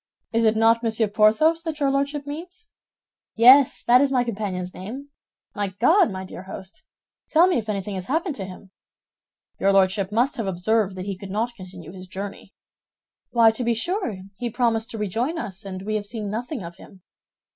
It is not Monsieur Porthos that your Lordship means?" "Yes, that is my companion's name. My God, my dear host, tell me if anything has happened to him?" "Your Lordship must have observed that he could not continue his journey." "Why, to be sure, he promised to rejoin us, and we have seen nothing of him."